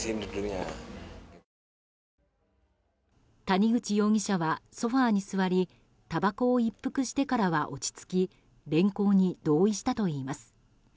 谷口容疑者はソファに座りたばこを一服してからは落ち着き連行に同意したといいます。